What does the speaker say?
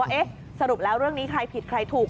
เอ๊ะสรุปแล้วเรื่องนี้ใครผิดใครถูก